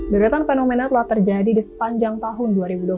deretan fenomena telah terjadi di sepanjang tahun dua ribu dua puluh